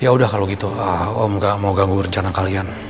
ya udah kalau gitu om gak mau ganggu rencana kalian